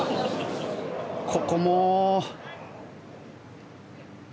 ここも。